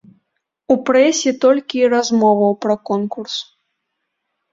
У прэсе толькі і размоваў пра конкурс.